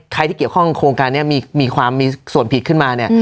ที่เกี่ยวข้องโครงการนี้มีความมีส่วนผิดขึ้นมาเนี่ย